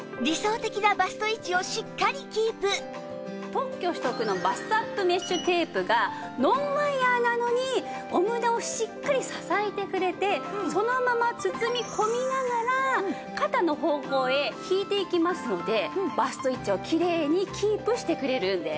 特許取得のバストアップメッシュテープがノンワイヤなのにお胸をしっかり支えてくれてそのまま包み込みながら肩の方向へ引いていきますのでバスト位置をきれいにキープしてくれるんです。